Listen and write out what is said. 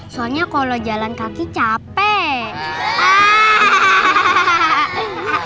soalnya kalau jalan kaki capek